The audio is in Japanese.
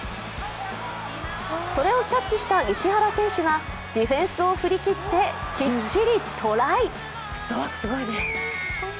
それをキャッチした石原選手がディフェンスを振り切ってきっちりトライ。